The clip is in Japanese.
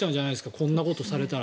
こんなことされたら。